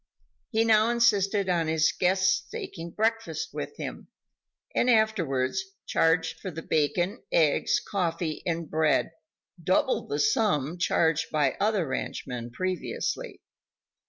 He now insisted on his "guests" taking breakfast with him, and afterwards charged for the bacon, eggs, coffee and bread double the sum charged by other ranchmen previously.